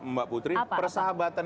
mbak putri persahabatan